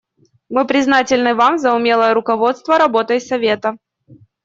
Мы признательны Вам за умелое руководство работой Совета.